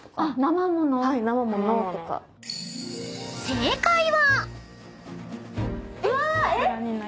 ［正解は］